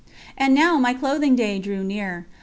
And now my clothing day drew near.